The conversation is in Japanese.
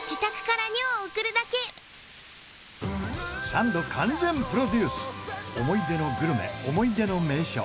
サンド完全プロデュース思い出のグルメ思い出の名所